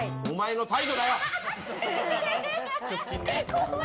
怖い！